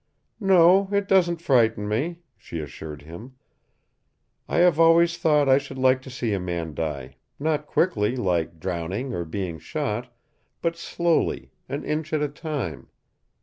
"No, it doesn't frighten me," she assured him. "I have always thought I should like to see a man die not quickly, like drowning or being shot, but slowly, an inch at a time.